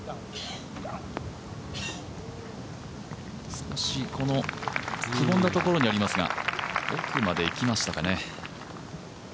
少しくぼんだところにありますが、奥まで行きましたかね。